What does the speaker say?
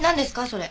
それ。